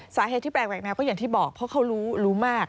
สาเหตุที่แปลกแววก็อย่างที่บอกเพราะเขารู้รู้มาก